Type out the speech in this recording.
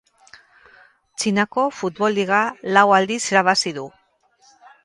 Txinako futbol liga lau aldiz irabazi du.